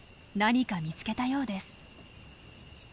何か見つけたようです。